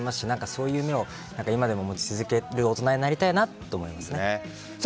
その夢を今でも持ち続ける大人になりたいなと思います。